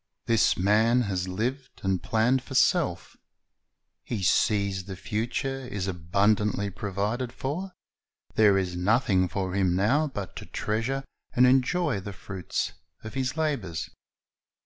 "' This man has lived and planned for self He sees that the future is abundantly provided for; there is nothing for him now but to treasure and enjoy the fruits of his labors.